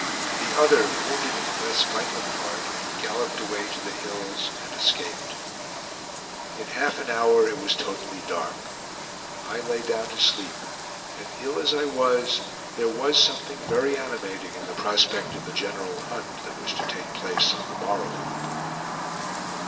The other, wounded in a less vital part, galloped away to the hills and escaped. In half an hour it was totally dark. I lay down to sleep, and ill as I was, there was something very animating in the prospect of the general hunt that was to take place on the morrow.